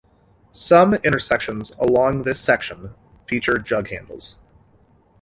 Some intersections along this section feature jughandles.